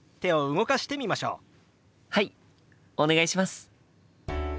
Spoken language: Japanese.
はいお願いします。